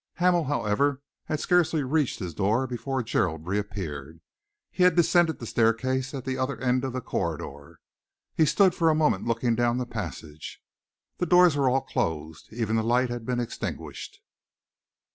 Hamel, however, had scarcely reached his door before Gerald reappeared. He had descended the stair case at the other end of the corridor. He stood for a moment looking down the passage. The doors were all closed. Even the light had been extinguished.